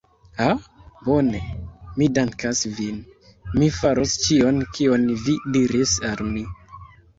Ah? Bone. Mi dankas vin. Mi faros ĉion kion vi diris al mi.